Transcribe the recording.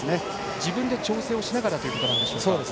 自分で調整をしながらということですか。